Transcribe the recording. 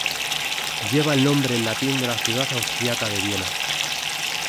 Lleva el nombre en latín de la ciudad austriaca de Viena.